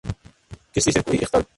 کسی سے کوئی اختل